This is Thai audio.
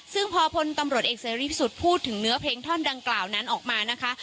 ซึ่งพอพลตำรวจเอกเสรีพิสุทธิ์พูดถึงเนื้อเพลงท่อนดังกล่าวนั้นออกมานะคะ